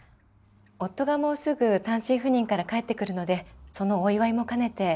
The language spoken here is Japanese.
夫がもうすぐ単身赴任から帰ってくるのでそのお祝いも兼ねて。